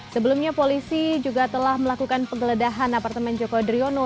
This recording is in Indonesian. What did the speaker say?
sebelumnya polisi juga telah melakukan penggeledahan apartemen joko driono